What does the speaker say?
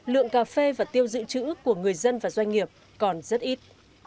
lượng cà phê và tiêu dự trữ của người dân và doanh nghiệp còn rất ít